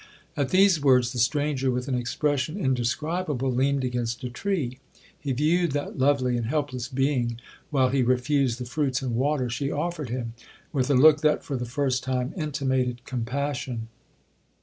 At these words, the stranger, with an expression indescribable, leaned against a tree. He viewed that lovely and helpless being, while he refused the fruits and water she offered him, with a look, that, for the first time, intimated compassion.